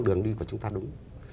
hướng đi của chúng ta đúng